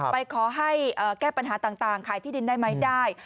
ไปขอให้แก้ปัญหาต่างขายที่ดินได้ไหมได้